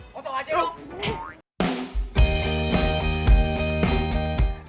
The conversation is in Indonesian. wajah ibu kota